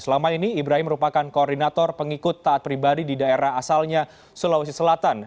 selama ini ibrahim merupakan koordinator pengikut taat pribadi di daerah asalnya sulawesi selatan